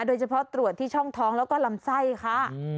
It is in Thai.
โดยเฉพาะตรวจที่ช่องท้องแล้วก็ลำไส้ค่ะ